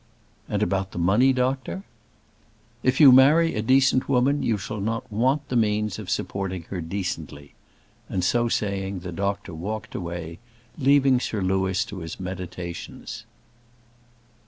"And about the money, doctor?" "If you marry a decent woman you shall not want the means of supporting her decently," and so saying the doctor walked away, leaving Sir Louis to his meditations.